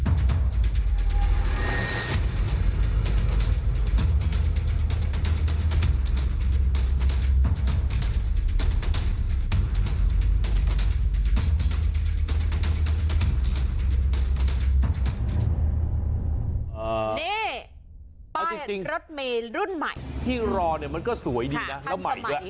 นี่ป้ายรถมีรุ่นใหม่ที่รอเนี่ยมันก็สวยดีนะแล้ว